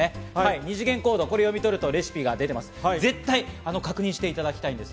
二次元コードを読み取るとレシピが出ています、絶対確認していただきたいです。